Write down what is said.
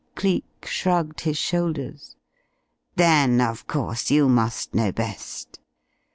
Cleek shrugged his shoulders. "Then, of course, you must know best.